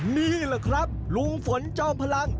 นี่แหละครับลุงฝนจอมพลัง